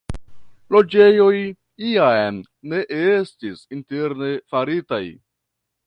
Loĝejoj jam ne estis interne faritaj.